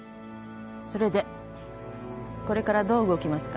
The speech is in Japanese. それでこれからどう動きますか？